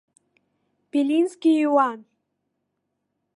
Белински иҩуан.